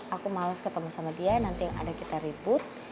aku males ketemu sama dia nanti yang ada kita ribut